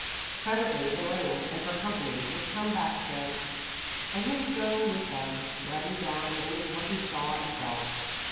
Presently, Elaine and her company would come back again, and he would go on with them, writing down only what he saw and felt.